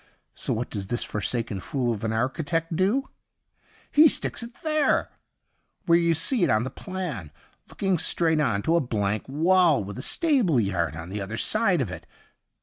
So what does this forsaken fool of an architect do ? He sticks it there, where you see it on the plan, looking straight on to a blank wall with a stable yard on the other side of it.